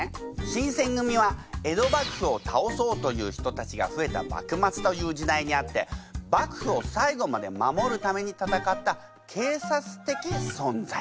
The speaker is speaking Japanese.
新選組は江戸幕府を倒そうという人たちが増えた幕末という時代にあって幕府を最後まで守るために戦った警察的存在。